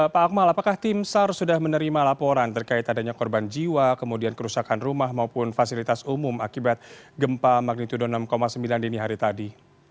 pak akmal apakah tim sar sudah menerima laporan terkait adanya korban jiwa kemudian kerusakan rumah maupun fasilitas umum akibat gempa magnitudo enam sembilan dini hari tadi